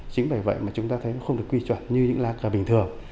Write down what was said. chính bởi vậy mà chúng ta thấy cũng không được quy chuẩn như những lá cờ bình thường